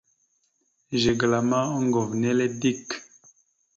Zigəla ma oŋgov nele dik.